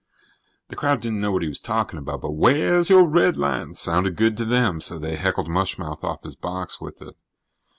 The crowd didn't know what he was talking about, but "wheah's your redlines" sounded good to them, so they heckled mush mouth off his box with it.